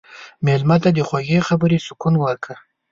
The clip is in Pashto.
مېلمه ته د خوږې خبرې سکون ورکړه.